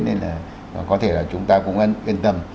nên là có thể là chúng ta cũng yên tâm